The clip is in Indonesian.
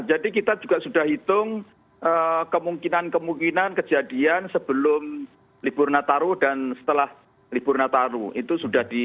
jadi kita juga sudah hitung kemungkinan kemungkinan kejadian sebelum libur nataru dan setelah libur nataru itu sudah dihitung